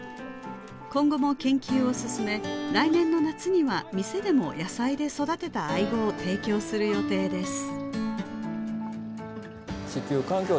今後も研究を進め来年の夏には店でも野菜で育てたアイゴを提供する予定です